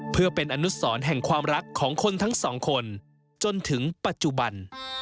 เพื่อเป็นอนุสรแห่งความรักของคนทั้งสองคนจนถึงปัจจุบัน